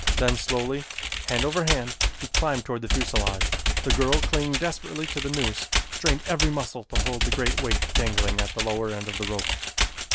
Then slowly, hand over hand, he climbed toward the fuselage. The girl, clinging desperately to the noose, strained every muscle to hold the great weight dangling at the lower end of the rope.